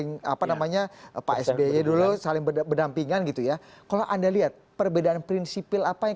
kan untuk membantu hulu balang